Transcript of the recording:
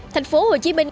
thành phố hồ chí minh